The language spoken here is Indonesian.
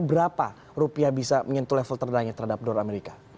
berapa rupiah bisa menyentuh level terendahnya terhadap dolar amerika